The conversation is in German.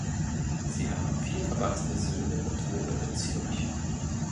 Sie haben vier erwachsene Söhne und wohnen in Zürich.